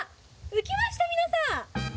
浮きました、皆さん。